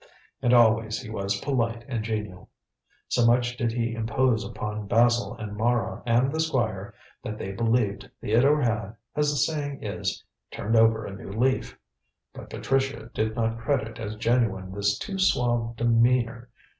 And always he was polite and genial. So much did he impose upon Basil and Mara and the Squire that they believed Theodore had as the saying is turned over a new leaf. But Patricia did not credit as genuine this too suave demeanour.